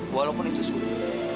walaupun itu suruh